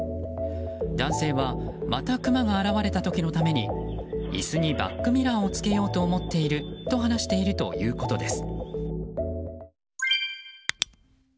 男性はまたクマが現れた時のために椅子にバックミラーをつけようと思っていると話しているということです。